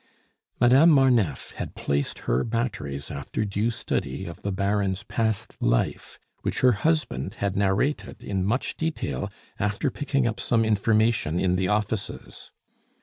Madame Marneffe had placed her batteries after due study of the Baron's past life, which her husband had narrated in much detail, after picking up some information in the offices.